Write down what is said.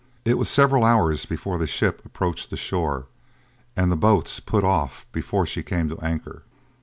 It was several hours before the ship approached the shore, and the boats put off before she came to an anchor.